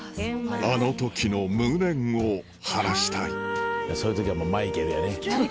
あの時の無念を晴らしたいそういう時はもうマイケルやね。